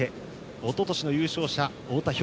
おととしの優勝者太田彪